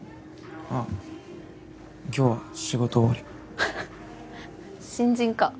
あぁ今日は仕事終わり？ははっ新人か。